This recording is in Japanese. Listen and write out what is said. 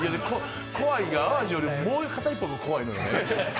怖いんが、淡路よりもう一方が怖いのよ。